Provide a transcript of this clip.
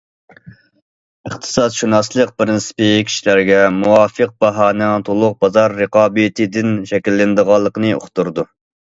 ئىقتىسادشۇناسلىق پىرىنسىپى كىشىلەرگە مۇۋاپىق باھانىڭ تولۇق بازار رىقابىتىدىن شەكىللىنىدىغانلىقى ئۇقتۇرىدۇ.